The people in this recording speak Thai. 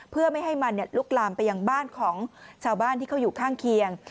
เพื่อไม่ให้มันลุกลามไปยังบ้านของชาวบ้านที่เขาอยู่ข้างเคียง